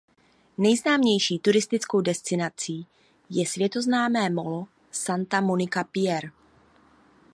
Nejznámější turistickou destinací je světoznámé molo Santa Monica Pier.